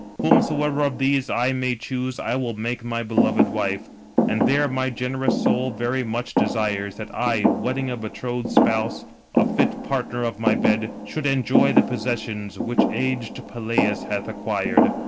Whomsoever of these I may choose, I will make my beloved wife; and there my generous soul very much desires that I, wedding a betrothed spouse, a fit partner of my bed, should enjoy the possessions which aged Peleus hath acquired.